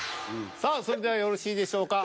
さあそれではよろしいでしょうか。